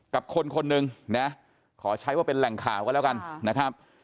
กับคนคนหนึ่งนะขอใช้ว่าเป็นแหล่งข่าวก็แล้วกันนะครับ